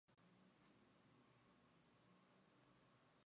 Pero Brains desactiva la bomba ingeniosamente a larga distancia.